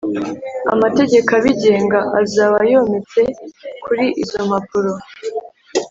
Amategeko abigenga azaba yometse kuri izo mpapuro